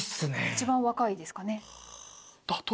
一番若いですかね。